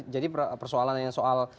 jadi persoalan yang soal